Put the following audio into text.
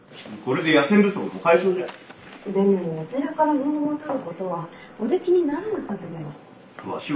でもお寺から年貢を取ることはおできにならぬはずでは？